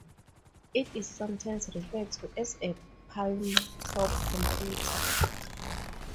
It is sometimes referred to as a "palmtop computer".